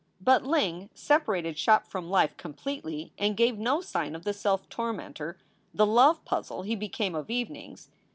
But Ling separated shop from life completely and gave no sign of the self tormentor, the love puzzle he became of evenings.